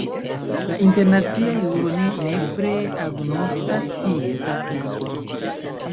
La internacia juro ne nepre agnoskas ties aplikon.